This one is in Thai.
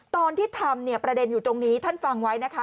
ตอนที่ทำเนี่ยประเด็นอยู่ตรงนี้ท่านฟังไว้นะคะ